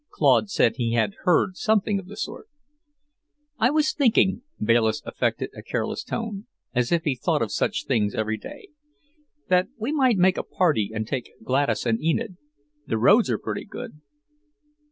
Claude said he had heard something of the sort. "I was thinking," Bayliss affected a careless tone, as if he thought of such things every day, "that we might make a party and take Gladys and Enid. The roads are pretty good."